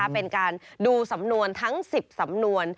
เป็นการดูสำนวนทั้ง๑๐สำนวน